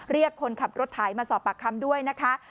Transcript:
เรียกคนขับรถไถมาสอบปากคำด้วยนะคะ